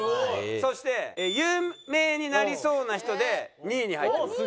そして有名になりそうな人で２位に入ってます。